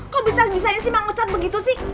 kok bisa bisain sih mam ocat begitu sih